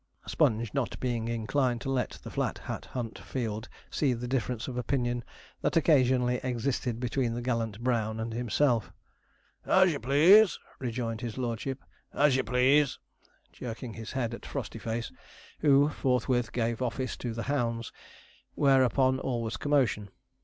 Sponge not being inclined to let the Flat Hat Hunt field see the difference of opinion that occasionally existed between the gallant brown and himself. 'As you please,' rejoined his lordship, 'as you please,' jerking his head at Frostyface, who forthwith gave the office to the hounds; whereupon all was commotion.